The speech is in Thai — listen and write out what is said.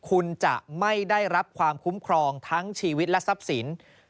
คุณจะไม่ได้รับความคุ้มครองทั้งชีวิตและทรัพย์สิน